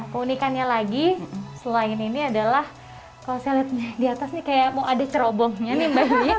keunikannya lagi selain ini adalah kalau saya lihat di atas nih kayak mau ada cerobongnya nih mbak